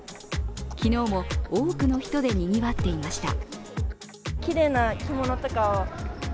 昨日も多くの人でにぎわっていました。